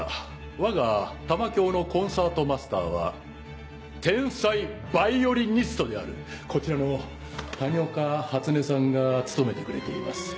わが玉響のコンサートマスターは天才ヴァイオリニストであるこちらの谷岡初音さんが務めてくれています。